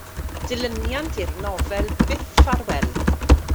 Dilyniant i'r nofel Byth Ffarwél.